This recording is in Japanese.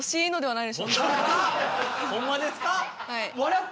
はい。